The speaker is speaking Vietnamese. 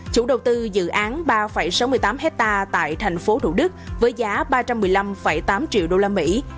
chủ đầu tư dự án ba sáu mươi tám hectare tại thành phố thủ đức với giá ba trăm một mươi năm tám triệu đô la mỹ